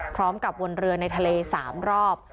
พร้อมกับวนเรือในทะเล๓รอบ